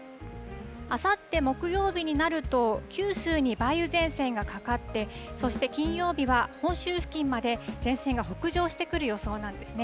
あさって木曜日になると、九州に梅雨前線がかかって、そして金曜日は本州付近まで前線が北上してくる予想なんですね。